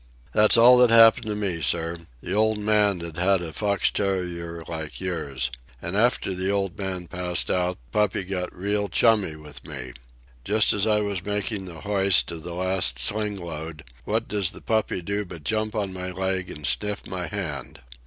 "That's all that happened to me, sir. The old man'd had a fox terrier like yours. And after the old man passed out the puppy got real, chummy with me. Just as I was making the hoist of the last sling load, what does the puppy do but jump on my leg and sniff my hand.